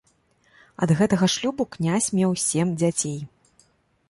Ад гэтага шлюбу князь меў сем дзяцей.